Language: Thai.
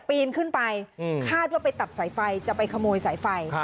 ปีนขึ้นไปคาดว่าไปตัดสายไฟจะไปขโมยสายไฟ